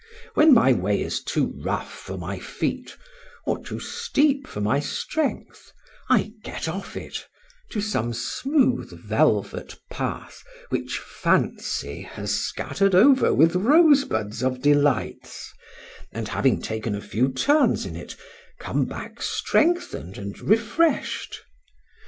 When my way is too rough for my feet, or too steep for my strength, I get off it, to some smooth velvet path, which Fancy has scattered over with rosebuds of delights; and having taken a few turns in it, come back strengthened and refresh'd.